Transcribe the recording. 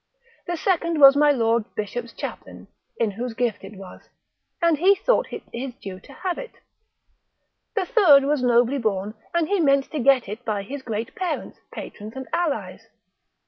The second was my lord Bishop's chaplain (in whose gift it was), and he thought it his due to have it. The third was nobly born, and he meant to get it by his great parents, patrons, and allies.